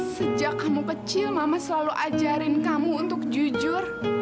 sejak kamu kecil mama selalu ajarin kamu untuk jujur